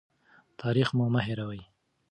تاریخ مو مه هېروه.